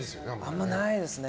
あんまりないですね。